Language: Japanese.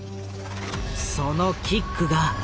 そのキックが。